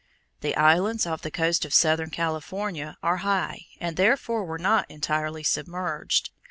The islands off the coast of southern California are high and therefore were not entirely submerged.